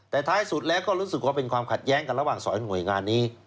แต่ท้ายสุดแล้วก็รู้สึกว่าเป็นความขัดแย้งกันระหว่างสองหน่วยงานนี้